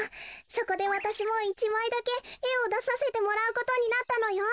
そこでわたしも１まいだけえをださせてもらうことになったのよ。